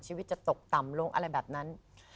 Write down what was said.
ชีวิตจะตกต่ำลงอะไรแบบนั้น